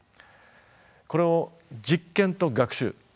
これを実験と学習。